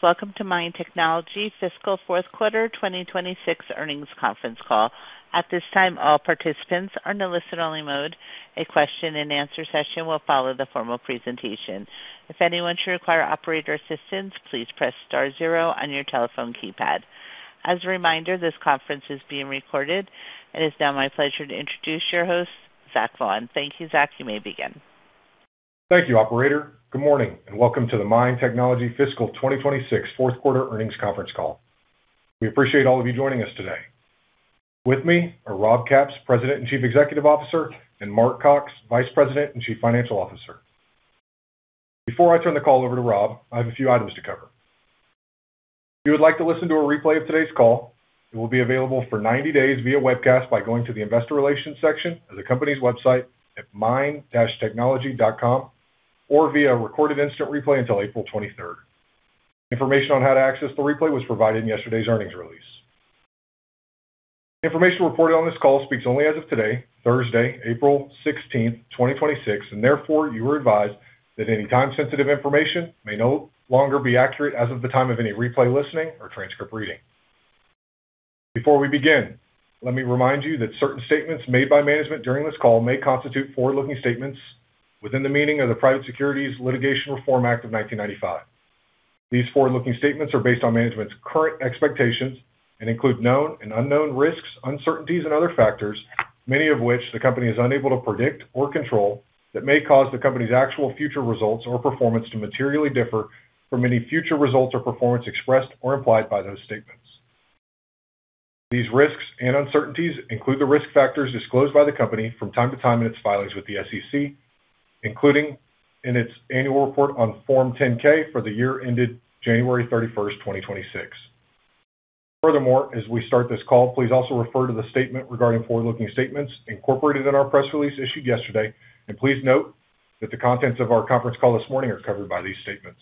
Welcome to MIND Technology fiscal fourth quarter 2026 earnings conference call. At this time, all participants are in a listen only mode. A question and answer session will follow the formal presentation. If anyone should require operator assistance, please press star zero on your telephone keypad. As a reminder, this conference is being recorded. It is now my pleasure to introduce your host, Zach Vaughn. Thank you, Zach. You may begin. Thank you, operator. Good morning and welcome to the MIND Technology fiscal 2026 fourth quarter earnings conference call. We appreciate all of you joining us today. With me are Rob Capps, President and Chief Executive Officer, and Mark Cox, Vice President and Chief Financial Officer. Before I turn the call over to Rob, I have a few items to cover. If you would like to listen to a replay of today's call, it will be available for 90 days via webcast by going to the investor relations section of the company's website at mind-technology.com or via recorded instant replay until April 23rd. Information on how to access the replay was provided in yesterday's earnings release. Information reported on this call speaks only as of today, Thursday, April 16th, 2026, and therefore you are advised that any time sensitive information may no longer be accurate as of the time of any replay listening or transcript reading. Before we begin, let me remind you that certain statements made by management during this call may constitute forward-looking statements within the meaning of the Private Securities Litigation Reform Act of 1995. These forward-looking statements are based on management's current expectations and include known and unknown risks, uncertainties and other factors, many of which the company is unable to predict or control, that may cause the company's actual future results or performance to materially differ from any future results or performance expressed or implied by those statements. These risks and uncertainties include the risk factors disclosed by the company from time to time in its filings with the SEC, including in its annual report on Form 10-K for the year ended January 31st, 2026. Furthermore, as we start this call, please also refer to the statement regarding forward-looking statements incorporated in our press release issued yesterday, and please note that the contents of our conference call this morning are covered by these statements.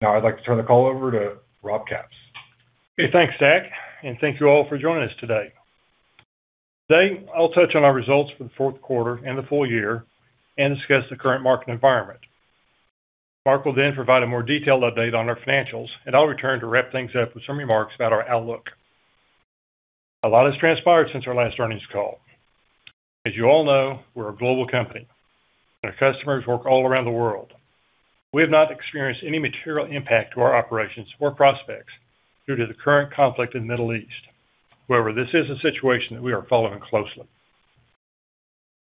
Now I'd like to turn the call over to Rob Capps. Hey, thanks, Zach, and thank you all for joining us today. Today, I'll touch on our results for the fourth quarter and the full year and discuss the current market environment. Mark will then provide a more detailed update on our financials, and I'll return to wrap things up with some remarks about our outlook. A lot has transpired since our last earnings call. As you all know, we're a global company, and our customers work all around the world. We have not experienced any material impact to our operations or prospects due to the current conflict in the Middle East. However, this is a situation that we are following closely.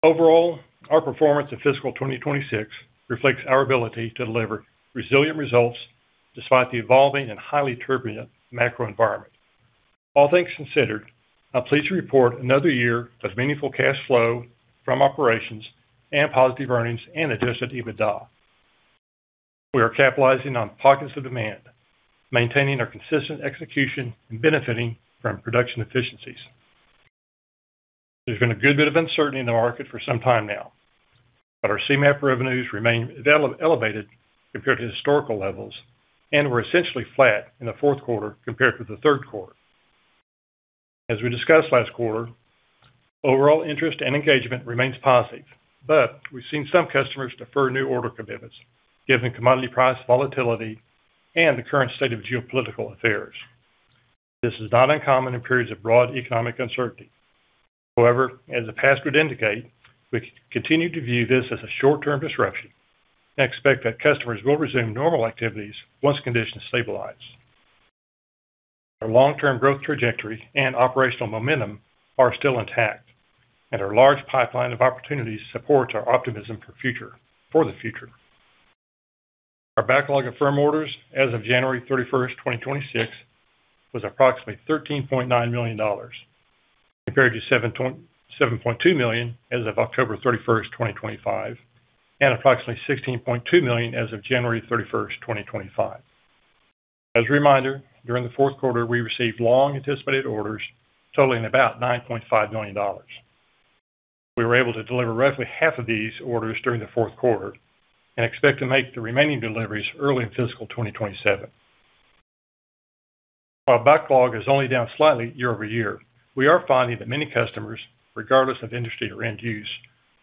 Overall, our performance in fiscal 2026 reflects our ability to deliver resilient results despite the evolving and highly turbulent macro environment. All things considered, I'm pleased to report another year of meaningful cash flow from operations and positive earnings and adjusted EBITDA. We are capitalizing on pockets of demand, maintaining our consistent execution, and benefiting from production efficiencies. There's been a good bit of uncertainty in the market for some time now, but our Seamap revenues remain elevated compared to historical levels, and were essentially flat in the fourth quarter compared to the third quarter. As we discussed last quarter, overall interest and engagement remains positive, but we've seen some customers defer new order commitments, given commodity price volatility and the current state of geopolitical affairs. This is not uncommon in periods of broad economic uncertainty. However, as the past would indicate, we continue to view this as a short-term disruption and expect that customers will resume normal activities once conditions stabilize. Our long-term growth trajectory and operational momentum are still intact, and our large pipeline of opportunities supports our optimism for the future. Our backlog of firm orders as of January 31st, 2026, was approximately $13.9 million, compared to $7.2 million as of October 31st, 2025, and approximately $16.2 million as of January 31st, 2025. As a reminder, during the fourth quarter, we received long-anticipated orders totaling about $9.5 million. We were able to deliver roughly half of these orders during the fourth quarter and expect to make the remaining deliveries early in fiscal 2027. While backlog is only down slightly year-over-year, we are finding that many customers, regardless of industry or end use,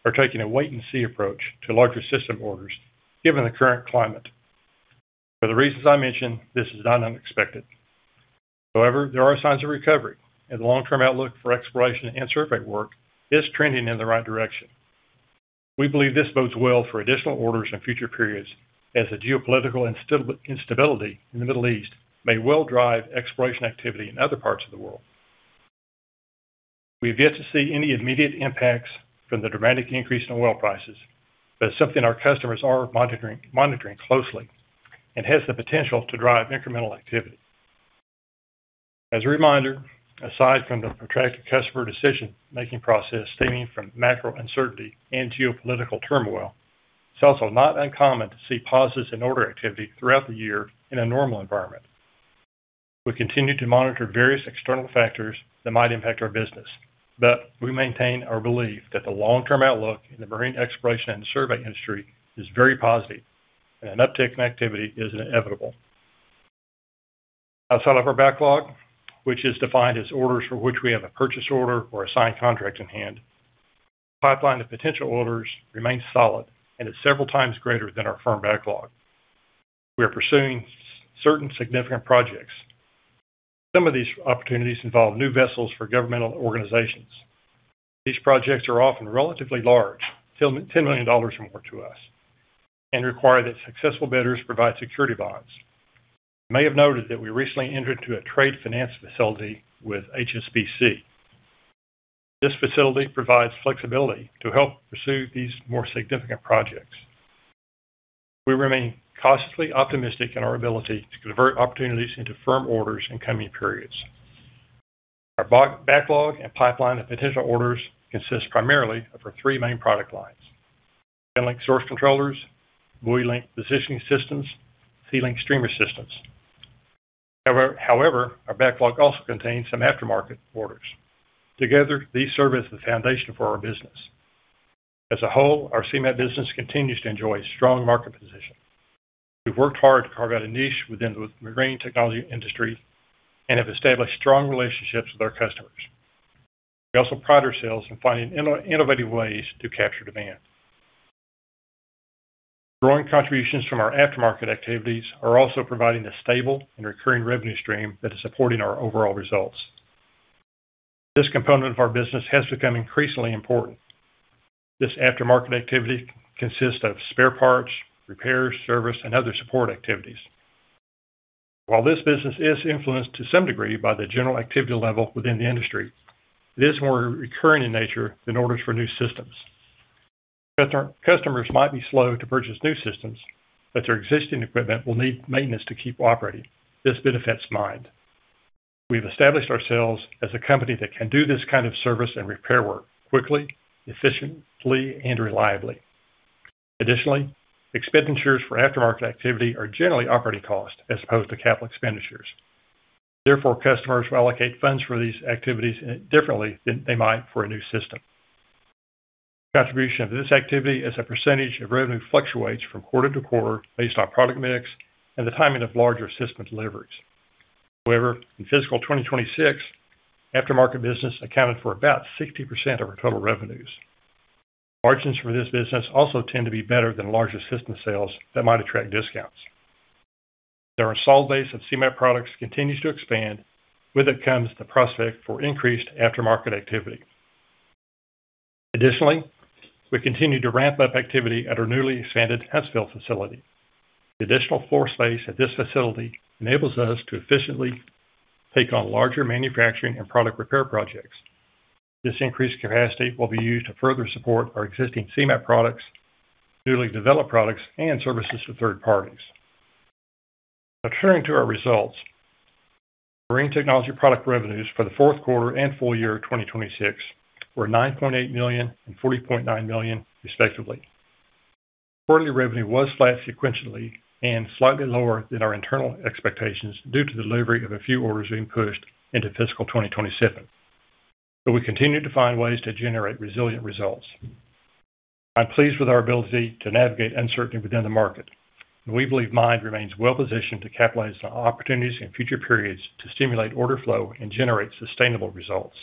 are taking a wait and see approach to larger system orders given the current climate. For the reasons I mentioned, this is not unexpected. However, there are signs of recovery, and the long-term outlook for exploration and survey work is trending in the right direction. We believe this bodes well for additional orders in future periods, as the geopolitical instability in the Middle East may well drive exploration activity in other parts of the world. We've yet to see any immediate impacts from the dramatic increase in oil prices, but it's something our customers are monitoring closely and has the potential to drive incremental activity. As a reminder, aside from the protracted customer decision-making process stemming from macro uncertainty and geopolitical turmoil, it's also not uncommon to see pauses in order activity throughout the year in a normal environment. We continue to monitor various external factors that might impact our business. We maintain our belief that the long-term outlook in the marine exploration and survey industry is very positive, and an uptick in activity is inevitable. Outside of our backlog, which is defined as orders for which we have a purchase order or a signed contract in hand. Pipeline of potential orders remains solid and is several times greater than our firm backlog. We are pursuing certain significant projects. Some of these opportunities involve new vessels for governmental organizations. These projects are often relatively large, $10 million or more to us, and require that successful bidders provide security bonds. You may have noted that we recently entered into a trade finance facility with HSBC. This facility provides flexibility to help pursue these more significant projects. We remain cautiously optimistic in our ability to convert opportunities into firm orders in coming periods. Our backlog and pipeline of potential orders consists primarily of our three main product lines: GunLink source controllers, BuoyLink positioning systems, SeaLink streamer systems. However, our backlog also contains some aftermarket orders. Together, these serve as the foundation for our business. As a whole, our Seamap business continues to enjoy a strong market position. We've worked hard to carve out a niche within the marine technology industry and have established strong relationships with our customers. We also pride ourselves in finding innovative ways to capture demand. Growing contributions from our aftermarket activities are also providing a stable and recurring revenue stream that is supporting our overall results. This component of our business has become increasingly important. This aftermarket activity consists of spare parts, repairs, service, and other support activities. While this business is influenced to some degree by the general activity level within the industry, it is more recurring in nature than orders for new systems. Customers might be slow to purchase new systems, but their existing equipment will need maintenance to keep operating. This benefits MIND. We've established ourselves as a company that can do this kind of service and repair work quickly, efficiently, and reliably. Additionally, expenditures for aftermarket activity are generally operating costs as opposed to capital expenditures. Therefore, customers will allocate funds for these activities differently than they might for a new system. Contribution of this activity as a percentage of revenue fluctuates from quarter to quarter based on product mix and the timing of larger system deliveries. However, in fiscal 2026, aftermarket business accounted for about 60% of our total revenues. Margins for this business also tend to be better than larger system sales that might attract discounts. The installed base of Seamap products continues to expand. With it comes the prospect for increased aftermarket activity. Additionally, we continue to ramp up activity at our newly expanded Huntsville facility. The additional floor space at this facility enables us to efficiently take on larger manufacturing and product repair projects. This increased capacity will be used to further support our existing Seamap products, newly developed products, and services to third parties. Now turning to our results. Marine technology product revenues for the fourth quarter and full year 2026 were $9.8 million and $40.9 million, respectively. Quarterly revenue was flat sequentially and slightly lower than our internal expectations due to delivery of a few orders being pushed into fiscal 2027. We continue to find ways to generate resilient results. I'm pleased with our ability to navigate uncertainty within the market, and we believe MIND remains well-positioned to capitalize on opportunities in future periods to stimulate order flow and generate sustainable results.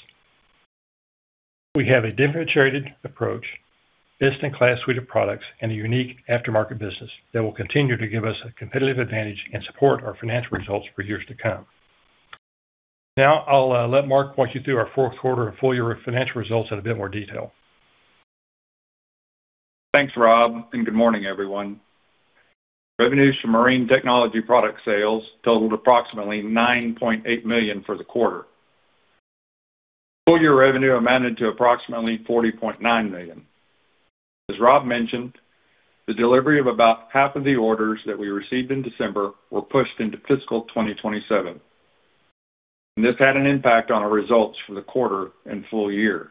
We have a differentiated approach, best-in-class suite of products, and a unique aftermarket business that will continue to give us a competitive advantage and support our financial results for years to come. Now I'll let Mark walk you through our fourth quarter and full year financial results in a bit more detail. Thanks, Rob, and good morning, everyone. Revenues from marine technology product sales totaled approximately $9.8 million for the quarter. Full year revenue amounted to approximately $40.9 million. As Rob mentioned, the delivery of about half of the orders that we received in December were pushed into fiscal 2027. This had an impact on our results for the quarter and full year.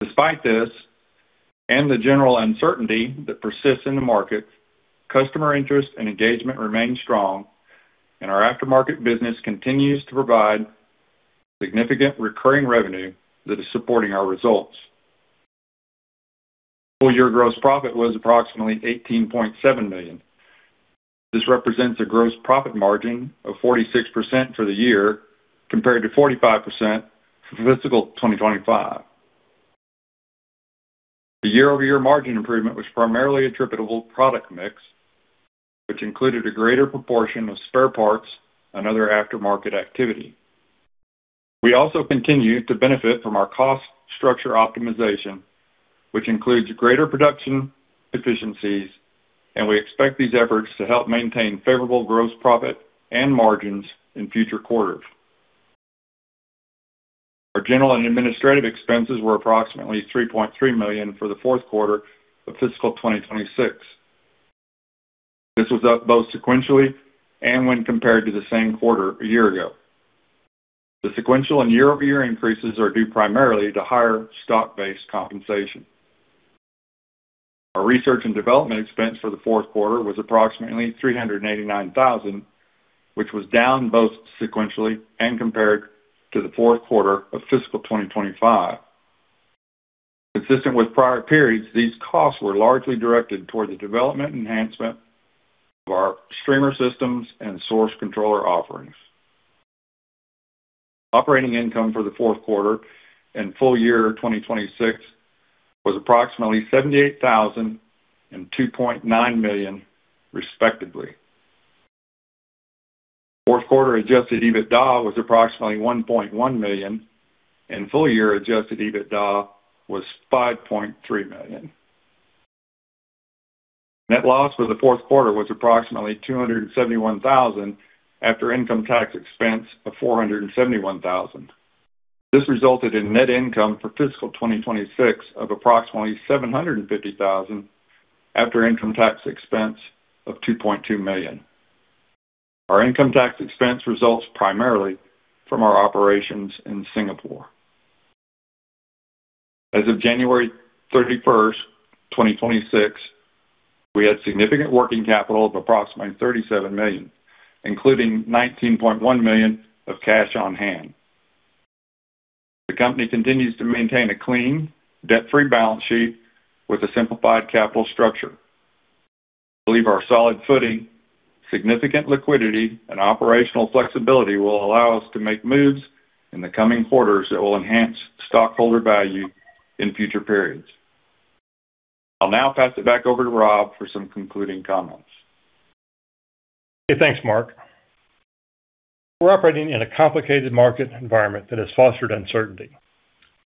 Despite this, and the general uncertainty that persists in the market, customer interest and engagement remain strong, and our aftermarket business continues to provide significant recurring revenue that is supporting our results. Full year gross profit was approximately $18.7 million. This represents a gross profit margin of 46% for the year compared to 45% for fiscal 2025. The year-over-year margin improvement was primarily attributable to product mix, which included a greater proportion of spare parts and other aftermarket activity. We also continue to benefit from our cost structure optimization, which includes greater production efficiencies, and we expect these efforts to help maintain favorable gross profit and margins in future quarters. Our general and administrative expenses were approximately $3.3 million for the fourth quarter of fiscal 2026. This was up both sequentially and when compared to the same quarter a year ago. The sequential and year-over-year increases are due primarily to higher stock-based compensation. Our research and development expense for the fourth quarter was approximately $389,000, which was down both sequentially and compared to the fourth quarter of fiscal 2025. Consistent with prior periods, these costs were largely directed toward the development enhancement of our streamer systems and source controller offerings. Operating income for the fourth quarter and full year 2026 was approximately $78,000 and $2.9 million respectively. Fourth quarter adjusted EBITDA was approximately $1.1 million and full year adjusted EBITDA was $5.3 million. Net loss for the fourth quarter was approximately $271,000 after income tax expense of $471,000. This resulted in net income for fiscal 2026 of approximately $750,000 after income tax expense of $2.2 million. Our income tax expense results primarily from our operations in Singapore. As of January 31st, 2026, we had significant working capital of approximately $37 million, including $19.1 million of cash on hand. The company continues to maintain a clean, debt-free balance sheet with a simplified capital structure. We believe our solid footing, significant liquidity, and operational flexibility will allow us to make moves in the coming quarters that will enhance stockholder value in future periods. I'll now pass it back over to Rob for some concluding comments. Okay. Thanks, Mark. We're operating in a complicated market environment that has fostered uncertainty.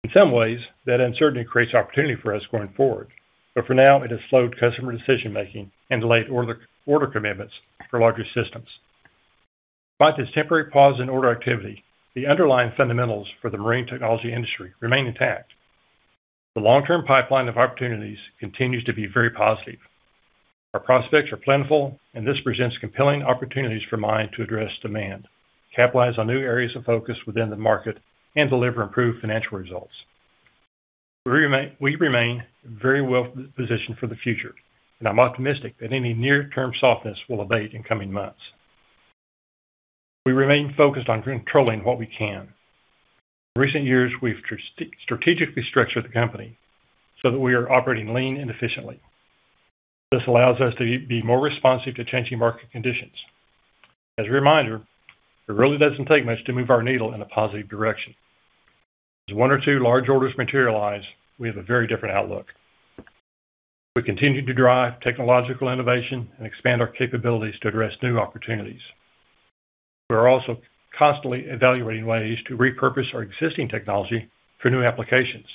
In some ways, that uncertainty creates opportunity for us going forward, but for now, it has slowed customer decision-making and delayed order commitments for larger systems. Despite this temporary pause in order activity, the underlying fundamentals for the marine technology industry remain intact. The long-term pipeline of opportunities continues to be very positive. Our prospects are plentiful, and this presents compelling opportunities for MIND to address demand, capitalize on new areas of focus within the market, and deliver improved financial results. We remain very well-positioned for the future, and I'm optimistic that any near-term softness will abate in coming months. We remain focused on controlling what we can. In recent years, we've strategically structured the company so that we are operating lean and efficiently. This allows us to be more responsive to changing market conditions. As a reminder, it really doesn't take much to move our needle in a positive direction. One or two large orders materialize, we have a very different outlook. We continue to drive technological innovation and expand our capabilities to address new opportunities. We are also constantly evaluating ways to repurpose our existing technology for new applications.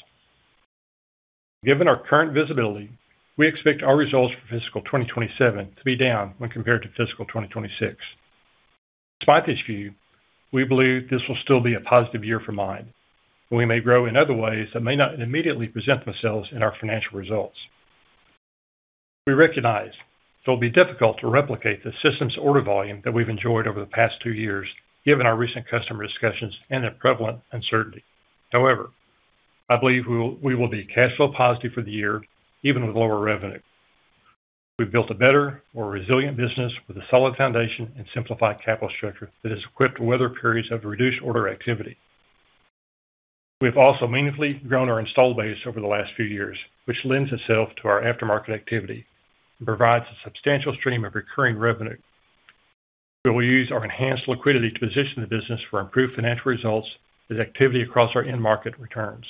Given our current visibility, we expect our results for fiscal 2027 to be down when compared to fiscal 2026. Despite this view, we believe this will still be a positive year for MIND, and we may grow in other ways that may not immediately present themselves in our financial results. We recognize that it'll be difficult to replicate the systems order volume that we've enjoyed over the past two years, given our recent customer discussions and the prevalent uncertainty. However, I believe we will be cash flow positive for the year, even with lower revenue. We've built a better, more resilient business with a solid foundation and simplified capital structure that is equipped to weather periods of reduced order activity. We have also meaningfully grown our installed base over the last few years, which lends itself to our aftermarket activity and provides a substantial stream of recurring revenue. We will use our enhanced liquidity to position the business for improved financial results as activity across our end market returns.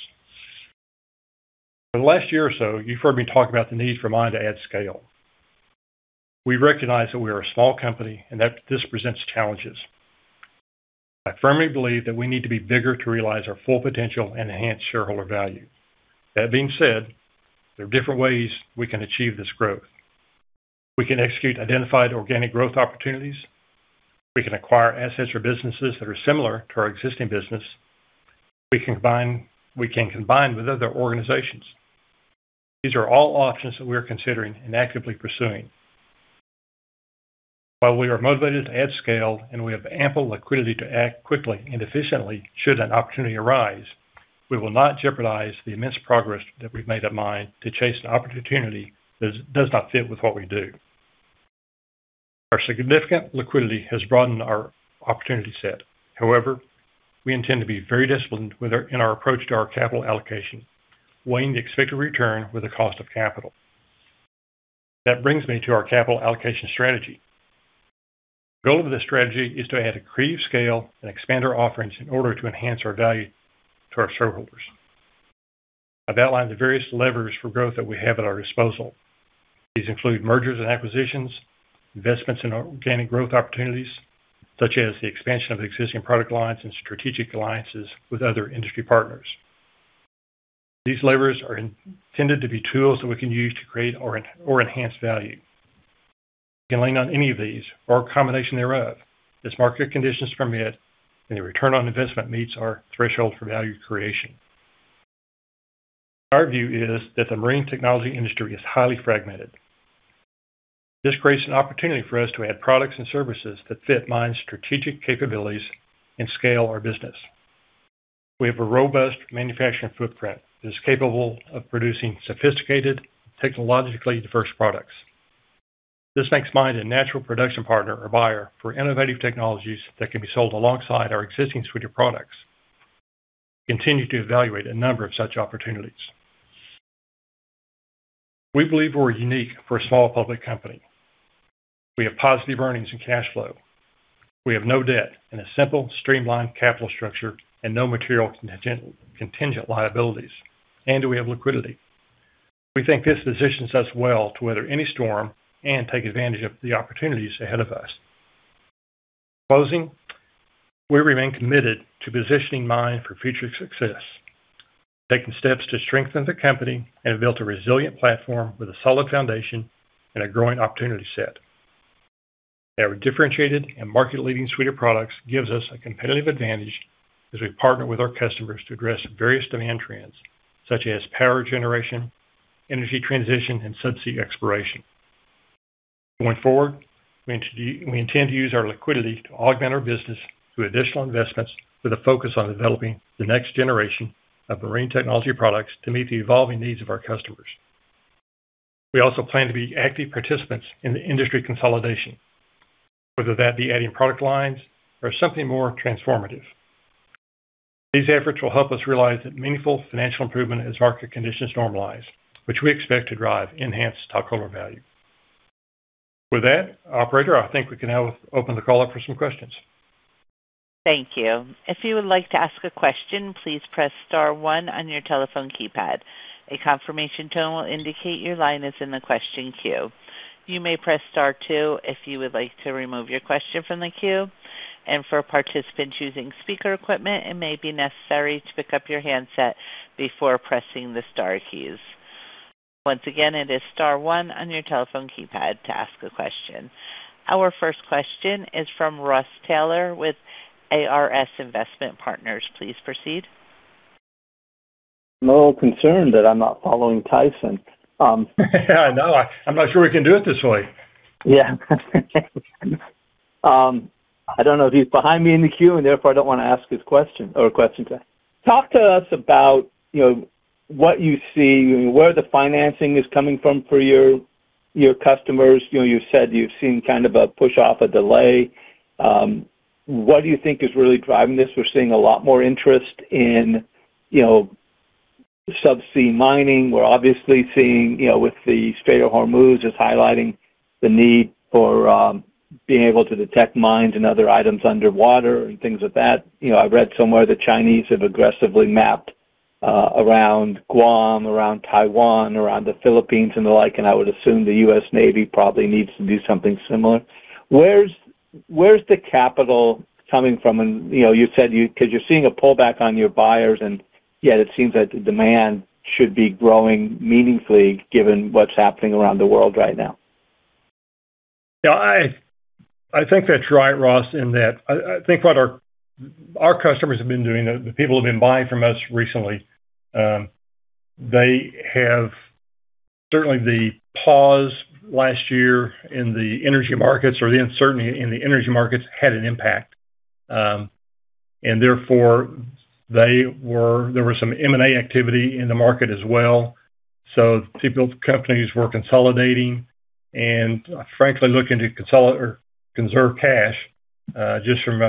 For the last year or so, you've heard me talk about the need for MIND to add scale. We recognize that we are a small company and that this presents challenges. I firmly believe that we need to be bigger to realize our full potential and enhance shareholder value. That being said, there are different ways we can achieve this growth. We can execute identified organic growth opportunities. We can acquire assets or businesses that are similar to our existing business. We can combine with other organizations. These are all options that we are considering and actively pursuing. While we are motivated to add scale and we have ample liquidity to act quickly and efficiently should an opportunity arise, we will not jeopardize the immense progress that we've made at MIND to chase an opportunity that does not fit with what we do. Our significant liquidity has broadened our opportunity set. However, we intend to be very disciplined in our approach to our capital allocation, weighing the expected return with the cost of capital. That brings me to our capital allocation strategy. The goal of this strategy is to add accretive scale and expand our offerings in order to enhance our value to our shareholders. I've outlined the various levers for growth that we have at our disposal. These include mergers and acquisitions, investments in organic growth opportunities, such as the expansion of existing product lines and strategic alliances with other industry partners. These levers are intended to be tools that we can use to create or enhance value. We can lean on any of these or a combination thereof as market conditions permit and the return on investment meets our threshold for value creation. Our view is that the marine technology industry is highly fragmented. This creates an opportunity for us to add products and services that fit MIND's strategic capabilities and scale our business. We have a robust manufacturing footprint that is capable of producing sophisticated, technologically diverse products. This makes MIND a natural production partner or buyer for innovative technologies that can be sold alongside our existing suite of products. We continue to evaluate a number of such opportunities. We believe we're unique for a small public company. We have positive earnings and cash flow. We have no debt and a simple, streamlined capital structure and no material contingent liabilities. We have liquidity. We think this positions us well to weather any storm and take advantage of the opportunities ahead of us. In closing, we remain committed to positioning MIND for future success, taking steps to strengthen the company and build a resilient platform with a solid foundation and a growing opportunity set. Our differentiated and market-leading suite of products gives us a competitive advantage as we partner with our customers to address various demand trends, such as power generation, energy transition, and subsea exploration. Going forward, we intend to use our liquidity to augment our business through additional investments with a focus on developing the next generation of marine technology products to meet the evolving needs of our customers. We also plan to be active participants in the industry consolidation, whether that be adding product lines or something more transformative. These efforts will help us realize that meaningful financial improvement as market conditions normalize, which we expect to drive enhanced stockholder value. With that, operator, I think we can now open the call up for some questions. Our first question is from Ross Taylor with ARS Investment Partners. Please proceed. I'm a little concerned that I'm not following Tyson. I know. I'm not sure we can do it this way. Yeah. I don't know if he's behind me in the queue, and therefore, I don't want to ask his question or questions. Talk to us about what you see, where the financing is coming from for your customers. You said you've seen kind of a push off, a delay. What do you think is really driving this? We're seeing a lot more interest in subsea mining. We're obviously seeing with the Strait of Hormuz, it's highlighting the need for being able to detect mines and other items underwater and things like that. I read somewhere the Chinese have aggressively mapped around Guam, around Taiwan, around the Philippines and the like, and I would assume the U.S. Navy probably needs to do something similar. Where's the capital coming from? Because you're seeing a pullback on your buyers, and yet it seems that the demand should be growing meaningfully given what's happening around the world right now. Yeah. I think that's right, Ross, in that I think what our customers have been doing, the people who have been buying from us recently, they have certainly the pause last year in the energy markets or the uncertainty in the energy markets had an impact. Therefore, there was some M&A activity in the market as well. People, companies were consolidating and frankly, looking to conserve cash, just from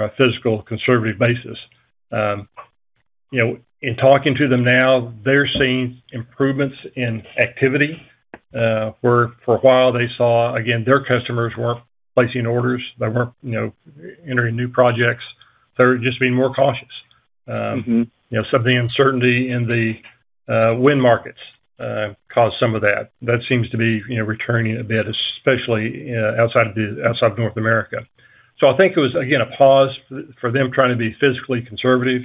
a physical conservative basis. In talking to them now, they're seeing improvements in activity. For a while, they saw, again, their customers weren't placing orders. They weren't entering new projects. They were just being more cautious. Mm-hmm. Some of the uncertainty in the wind markets caused some of that. That seems to be returning a bit, especially outside North America. I think it was, again, a pause for them trying to be fiscally conservative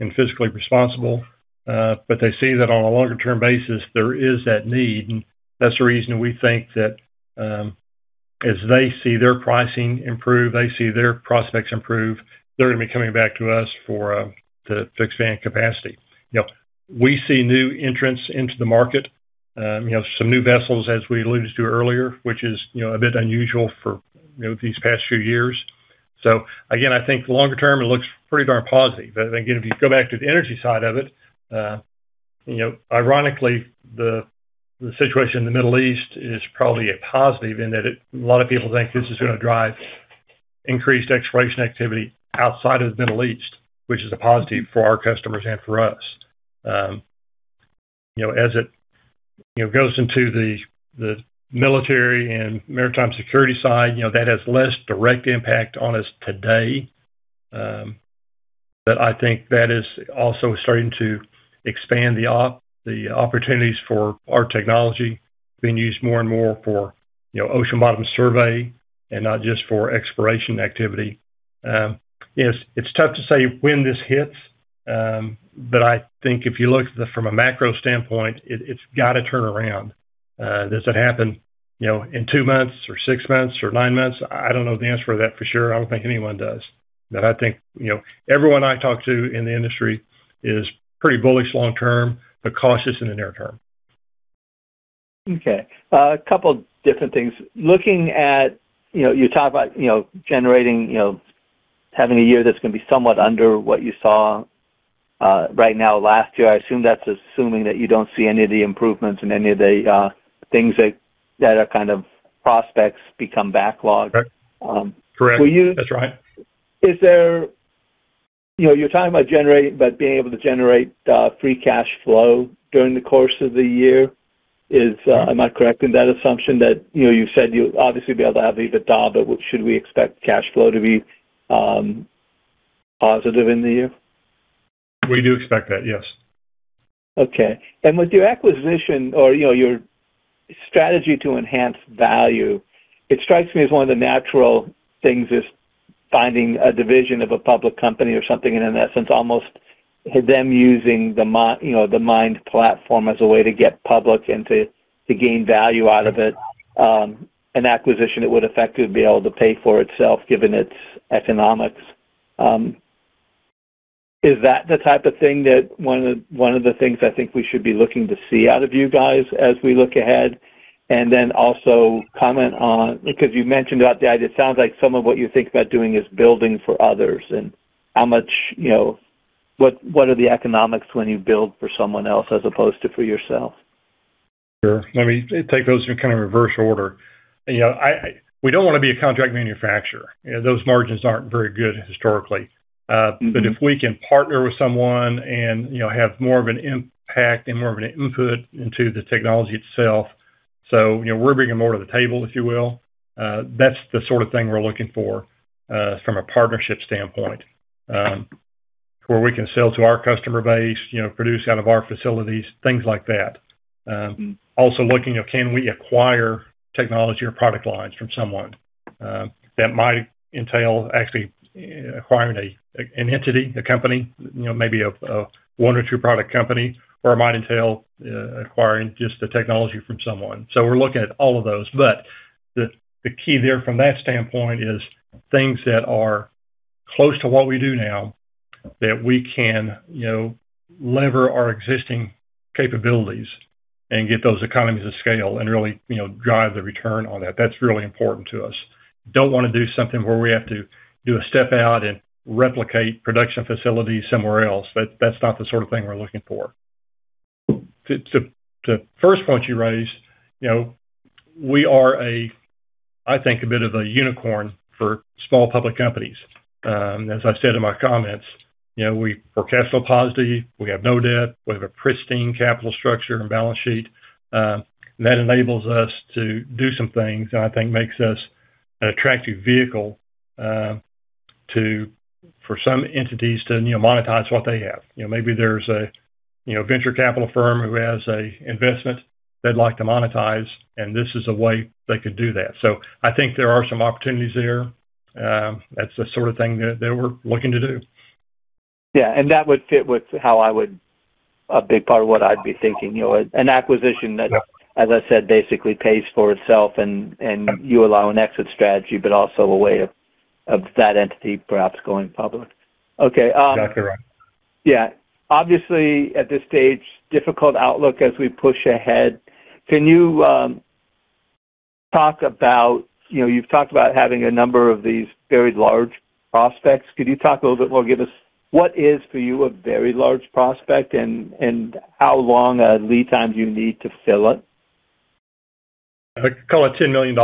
and fiscally responsible. They see that on a longer-term basis, there is that need, and that's the reason we think that as they see their pricing improve, they see their prospects improve, they're going to be coming back to us to expand capacity. We see new entrants into the market. Some new vessels, as we alluded to earlier, which is a bit unusual for these past few years. Again, I think longer term, it looks pretty darn positive. Again, if you go back to the energy side of it, ironically, the situation in the Middle East is probably a positive in that a lot of people think this is going to drive increased exploration activity outside of the Middle East, which is a positive for our customers and for us. As it goes into the military and maritime security side, that has less direct impact on us today. I think that is also starting to expand the opportunities for our technology being used more and more for ocean bottom survey and not just for exploration activity. It's tough to say when this hits, but I think if you look from a macro standpoint, it's got to turn around. Does it happen in two months or six months or nine months? I don't know the answer to that for sure. I don't think anyone does. I think everyone I talk to in the industry is pretty bullish long term, but cautious in the near term. Okay. A couple different things. You talk about generating, having a year that's going to be somewhat under what you saw right now last year. I assume that's assuming that you don't see any of the improvements in any of the things that are kind of prospects become backlog. Correct. Will you- That's right. You're talking about being able to generate free cash flow during the course of the year. Am I correct in that assumption that you said you'll obviously be able to have EBITDA, but should we expect cash flow to be positive in the year? We do expect that, yes. Okay. With your acquisition or your strategy to enhance value, it strikes me as one of the natural things is finding a division of a public company or something, and in essence, almost them using the MIND platform as a way to get public and to gain value out of it. An acquisition, it would effectively be able to pay for itself given its economics. Is that the type of thing that one of the things I think we should be looking to see out of you guys as we look ahead? Also comment on, because you mentioned about that it sounds like some of what you think about doing is building for others, and what are the economics when you build for someone else as opposed to for yourself? Sure. Let me take those in kind of reverse order. We don't want to be a contract manufacturer. Those margins aren't very good historically. Mm-hmm. If we can partner with someone and have more of an impact and more of an input into the technology itself, so we're bringing more to the table, if you will, that's the sort of thing we're looking for from a partnership standpoint, where we can sell to our customer base, produce out of our facilities, things like that. Mm-hmm. Also looking at can we acquire technology or product lines from someone? That might entail actually acquiring an entity, a company, maybe a one or two-product company. Or it might entail acquiring just the technology from someone. We're looking at all of those. The key there from that standpoint is things that are close to what we do now that we can leverage our existing capabilities and get those economies of scale and really drive the return on that. That's really important to us. Don't want to do something where we have to do a step out and replicate production facilities somewhere else. That's not the sort of thing we're looking for. The first point you raised, we are a, I think, a bit of a unicorn for small public companies. As I said in my comments, we're cash flow positive, we have no debt, we have a pristine capital structure and balance sheet. That enables us to do some things that I think makes us an attractive vehicle for some entities to monetize what they have. Maybe there's a venture capital firm who has an investment they'd like to monetize, and this is a way they could do that. I think there are some opportunities there. That's the sort of thing that we're looking to do. Yeah. That would fit with a big part of what I'd be thinking. Yeah As I said, basically pays for itself and you allow an exit strategy, but also a way of that entity perhaps going public. Okay. That's correct. Yeah. Obviously, at this stage, difficult outlook as we push ahead. Can you talk about. You've talked about having a number of these very large prospects. Could you talk a little bit more? Give us what is, for you, a very large prospect and how long a lead time do you need to fill it? I call it $10 million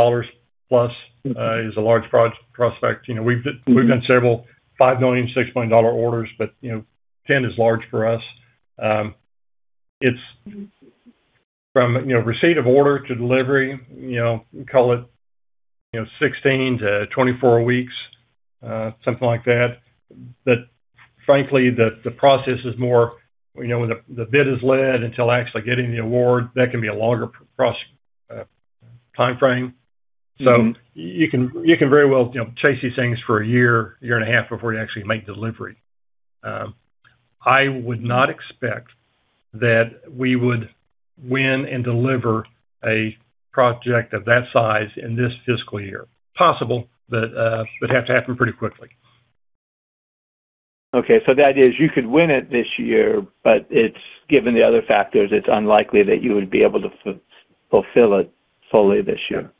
plus is a large prospect. Mm-hmm. We've done several $5 million, $6 million orders, but $10 million is large for us. From receipt of order to delivery, call it 16-24 weeks, something like that. Frankly, the process is more when the bid is let until actually getting the award, that can be a longer process timeframe. Mm-hmm. You can very well chase these things for a year and a half before you actually make delivery. I would not expect that we would win and deliver a project of that size in this fiscal year. Possible, but it would have to happen pretty quickly. Okay. The idea is you could win it this year, but given the other factors, it's unlikely that you would be able to fulfill it fully this year.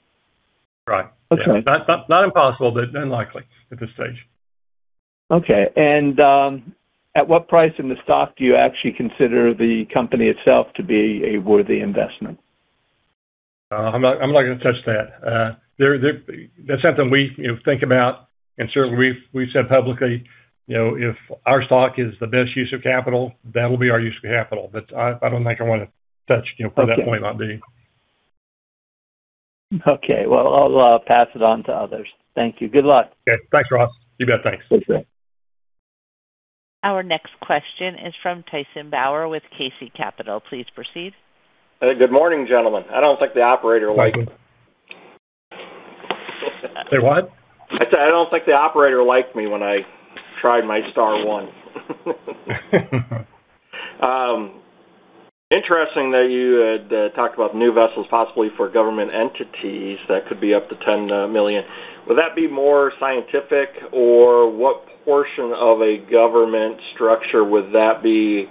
Right. Okay. Not impossible, but unlikely at this stage. Okay. At what price in the stock do you actually consider the company itself to be a worthy investment? I'm not going to touch that. That's something we think about, and certainly, we've said publicly if our stock is the best use of capital, that'll be our use of capital. I don't think I want to touch. Okay from that point on being. Okay. Well, I'll pass it on to others. Thank you. Good luck. Okay. Thanks, Ross. You bet. Thanks. Thanks. Our next question is from Tyson Bauer with KC Capital. Please proceed. Good morning, gentlemen. I don't think the operator liked me. Say what? I said I don't think the operator liked me when I tried my star one. Interesting that you had talked about new vessels, possibly for government entities, that could be up to $10 million. Would that be more scientific, or what portion of a government structure would that be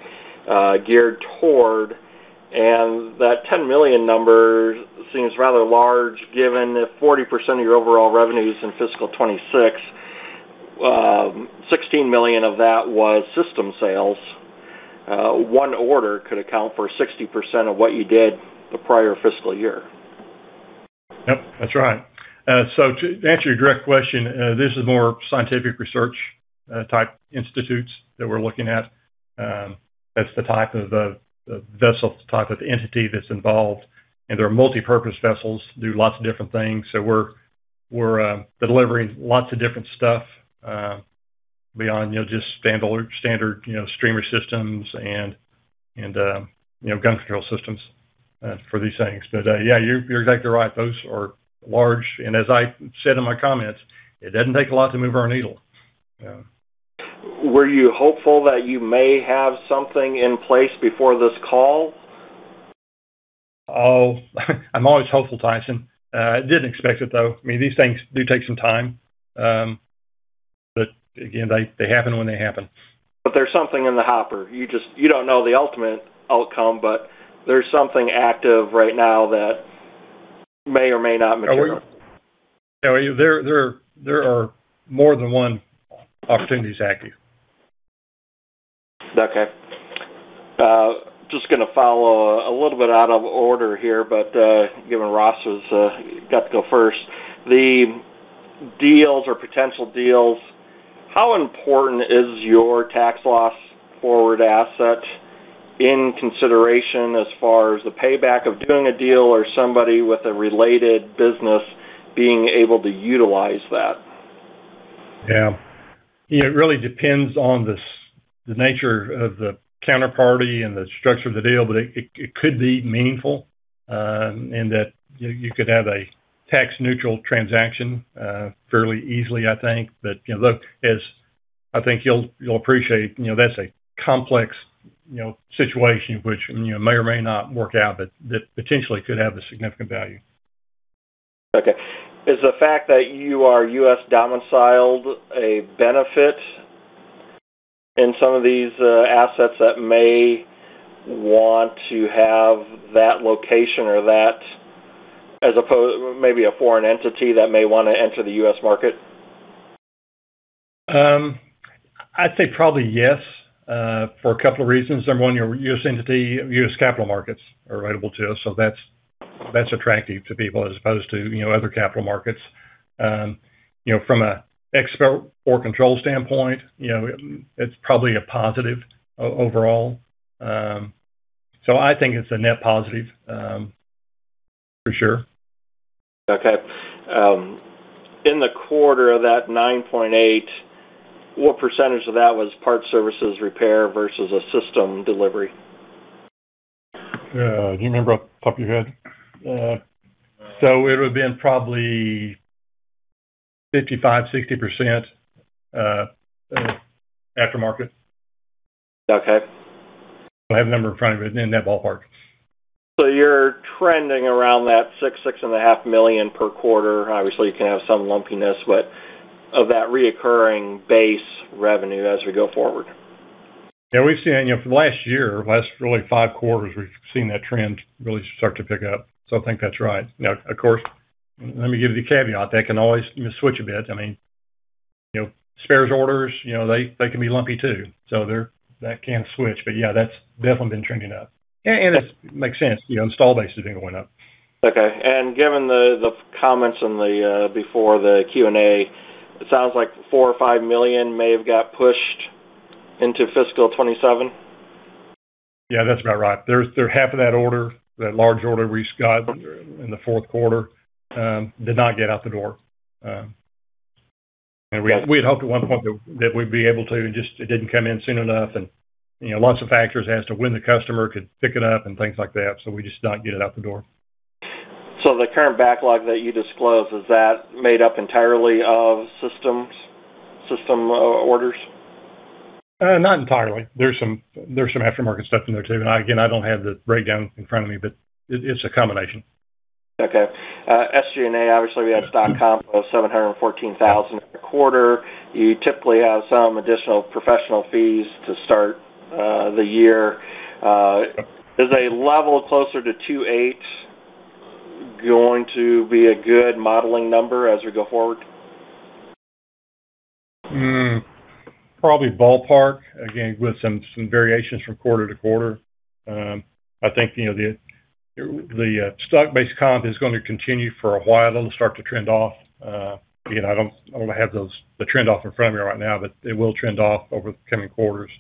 geared toward? That $10 million number seems rather large given that 40% of your overall revenues in fiscal 2026, $16 million of that was system sales. One order could account for 60% of what you did the prior fiscal year. Yep, that's right. To answer your direct question, this is more scientific research type institutes that we're looking at. That's the type of the vessel, the type of entity that's involved. They are multipurpose vessels, do lots of different things. We're delivering lots of different stuff, beyond just standard streamer systems and gun control systems for these things. Yeah, you're exactly right. Those are large, and as I said in my comments, it doesn't take a lot to move our needle. Yeah. Were you hopeful that you may have something in place before this call? Oh, I'm always hopeful, Tyson. Didn't expect it, though. These things do take some time. Again, they happen when they happen. There's something in the hopper. You don't know the ultimate outcome, but there's something active right now that may or may not materialize. There are more than one opportunity, exactly. Okay. Just going to follow a little bit out of order here, but given Ross has got to go first. The deals or potential deals, how important is your tax loss carryforward asset in consideration as far as the payback of doing a deal, or somebody with a related business being able to utilize that? Yeah. It really depends on the nature of the counterparty and the structure of the deal, but it could be meaningful, in that you could have a tax-neutral transaction fairly easily, I think. Look, as I think you'll appreciate, that's a complex situation which may or may not work out, but that potentially could have a significant value. Okay. Is the fact that you are U.S. domiciled a benefit in some of these assets that may want to have that location or that, as opposed, maybe a foreign entity that may want to enter the U.S. market? I'd say probably yes, for a couple of reasons. Number one, your U.S. entity, U.S. capital markets are available to us, so that's attractive to people as opposed to other capital markets. From an export or control standpoint, it's probably a positive overall. I think it's a net positive, for sure. Okay. In the quarter, that $9.8, what percentage of that was parts, services, repair, versus a system delivery? Do you remember off the top of your head? It would've been probably 55%-60% aftermarket. Okay. I don't have the number in front of me. In that ballpark. You're trending around that $6 million-$6.5 million per quarter. Obviously, you can have some lumpiness, but of that recurring base revenue as we go forward. Yeah. We've seen it for the last year, last really five quarters, we've seen that trend really start to pick up. I think that's right. Now, of course, let me give you the caveat. That can always switch a bit. Spares orders, they can be lumpy, too. That can switch. Yeah, that's definitely been trending up. It makes sense. The install base has been going up. Okay. Given the comments before the Q&A, it sounds like $4 million-$5 million may have got pushed into fiscal 2027? Yeah, that's about right. Half of that order, that large order we just got in the fourth quarter, did not get out the door. We had hoped at one point that we'd be able to. It just didn't come in soon enough. Lots of factors as to when the customer could pick it up and things like that. We just did not get it out the door. The current backlog that you disclosed, is that made up entirely of systems, system orders? Not entirely. There's some aftermarket stuff in there, too. Again, I don't have the breakdown in front of me, but it's a combination. Okay. SG&A, obviously, we had stock comp of $714,000 in the quarter. You typically have some additional professional fees to start the year. Yep. Is a level closer to $2.8 going to be a good modeling number as we go forward? Probably ballpark. Again, with some variations from quarter to quarter. I think the stock-based comp is going to continue for a while. That'll start to trend off. Again, I don't have the trend off in front of me right now, but it will trend off over the coming quarters.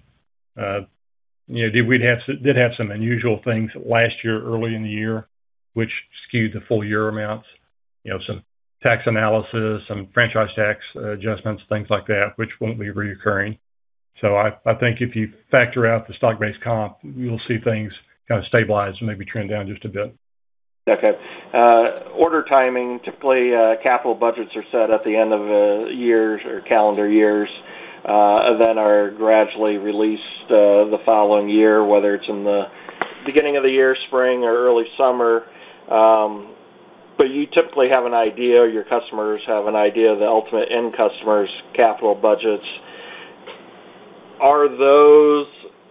We did have some unusual things last year, early in the year, which skewed the full year amounts. Some tax analysis, some franchise tax adjustments, things like that, which won't be recurring. I think if you factor out the stock-based comp, you'll see things kind of stabilize and maybe trend down just a bit. Okay. Order timing. Typically, capital budgets are set at the end of the years or calendar years, then are gradually released the following year, whether it's in the beginning of the year, spring or early summer. You typically have an idea, your customers have an idea of the ultimate end customers' capital budgets.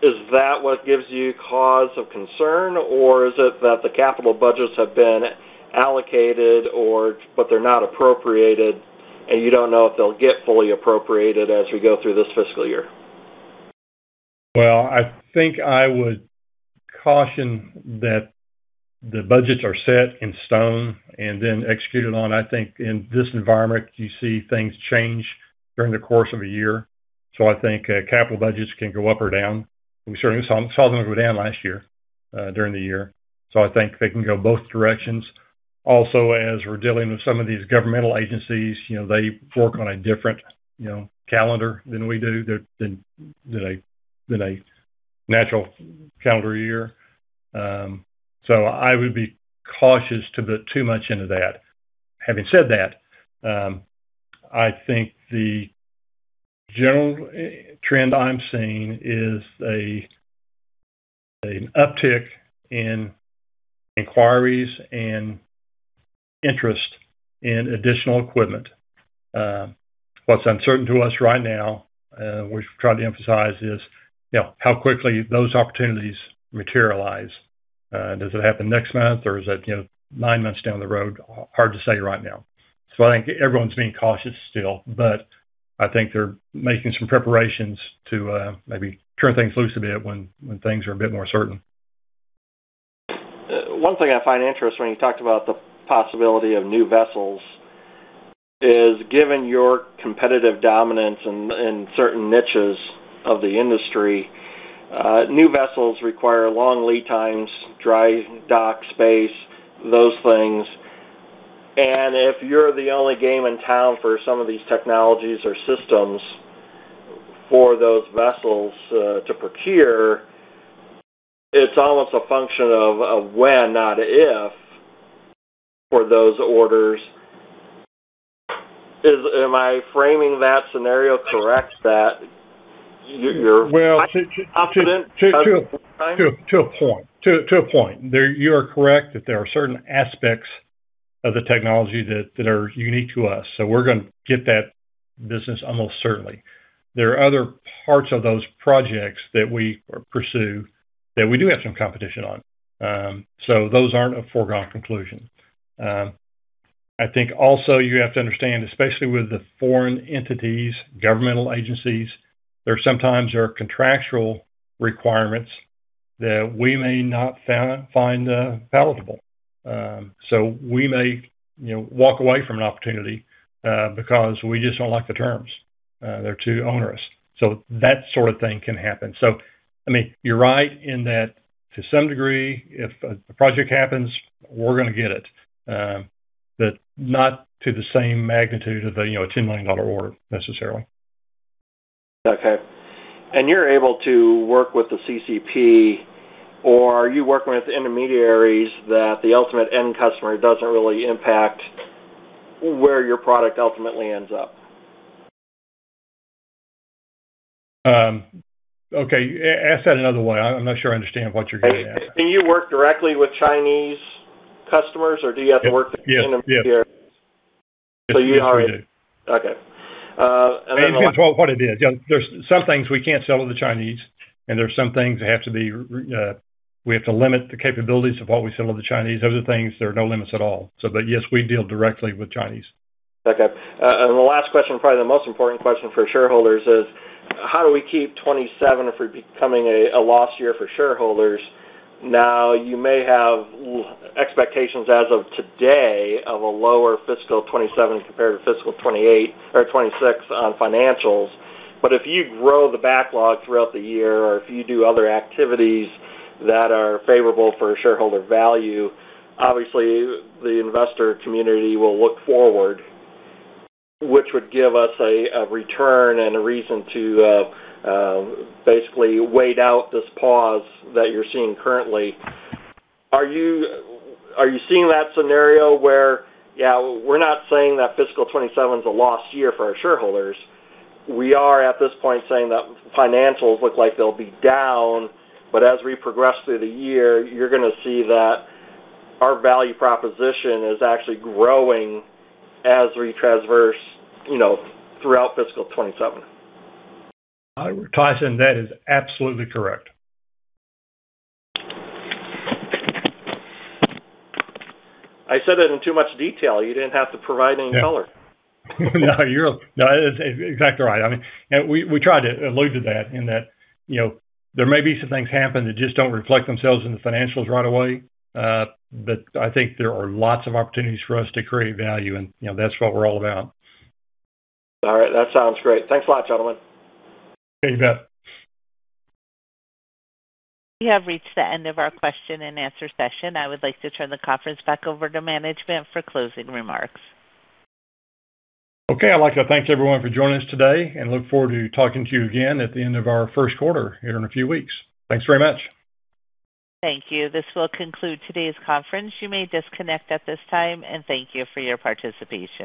Is that what gives you cause of concern, or is it that the capital budgets have been allocated, but they're not appropriated. And you don't know if they'll get fully appropriated as we go through this fiscal year? Well, I think I would caution that the budgets are set in stone and then executed on. I think in this environment, you see things change during the course of a year. I think capital budgets can go up or down. We certainly saw them go down last year during the year. I think they can go both directions. Also, as we're dealing with some of these governmental agencies, they work on a different calendar than we do, than a natural calendar year. I would be cautious to put too much into that. Having said that, I think the general trend I'm seeing is an uptick in inquiries and interest in additional equipment. What's uncertain to us right now, we've tried to emphasize is how quickly those opportunities materialize. Does it happen next month or is that nine months down the road? Hard to say right now. I think everyone's being cautious still, but I think they're making some preparations to maybe turn things loose a bit when things are a bit more certain. One thing I find interesting when you talked about the possibility of new vessels is, given your competitive dominance in certain niches of the industry, new vessels require long lead times, dry dock space, those things. If you're the only game in town for some of these technologies or systems for those vessels to procure, it's almost a function of when, not if, for those orders. Am I framing that scenario correct, that you're- Well- Confident of the time? To a point. You are correct that there are certain aspects of the technology that are unique to us, so we're going to get that business almost certainly. There are other parts of those projects that we pursue that we do have some competition on. Those aren't a foregone conclusion. I think also you have to understand, especially with the foreign entities, governmental agencies, there sometimes are contractual requirements that we may not find palatable. We may walk away from an opportunity because we just don't like the terms. They're too onerous. That sort of thing can happen. I mean, you're right in that, to some degree, if a project happens, we're going to get it. Not to the same magnitude of a $10 million order necessarily. Okay. You're able to work with the CCP, or are you working with intermediaries that the ultimate end customer doesn't really impact where your product ultimately ends up? Okay, ask that another way. I'm not sure I understand what you're getting at. Do you work directly with Chinese customers, or do you have to work with intermediaries? Yes. You are. Yes, we do. Okay. I'll tell you what it is. There's some things we can't sell to the Chinese, and there's some things we have to limit the capabilities of what we sell to the Chinese. Other things, there are no limits at all. But yes, we deal directly with Chinese. Okay. The last question, probably the most important question for shareholders is: How do we keep 2027 from becoming a lost year for shareholders? Now, you may have expectations as of today of a lower fiscal 2027 compared to fiscal 2028 or 2026 on financials, but if you grow the backlog throughout the year or if you do other activities that are favorable for shareholder value, obviously the investor community will look forward, which would give us a return and a reason to basically wait out this pause that you're seeing currently. Are you seeing that scenario where, yeah, we're not saying that fiscal 2027 is a lost year for our shareholders. We are, at this point, saying that financials look like they'll be down, but as we progress through the year, you're going to see that our value proposition is actually growing as we traverse throughout fiscal 2027. Tyson, that is absolutely correct. I said it in too much detail. You didn't have to provide any color. No, that is exactly right. I mean, we try to allude to that in that there may be some things happen that just don't reflect themselves in the financials right away. But I think there are lots of opportunities for us to create value, and that's what we're all about. All right. That sounds great. Thanks a lot, gentlemen. You bet. We have reached the end of our question and answer session. I would like to turn the conference back over to management for closing remarks. Okay. I'd like to thank everyone for joining us today and look forward to talking to you again at the end of our first quarter here in a few weeks. Thanks very much. Thank you. This will conclude today's conference. You may disconnect at this time, and thank you for your participation.